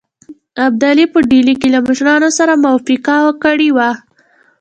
ابدالي په ډهلي کې له مشرانو سره موافقه کړې وه.